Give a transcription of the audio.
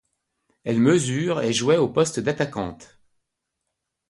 Elle mesure et jouait au poste d'attaquante.